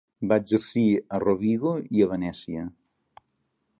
Va exercir a Rovigo i a Venècia.